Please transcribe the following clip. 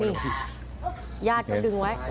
นี่ยาดมันดึงไว้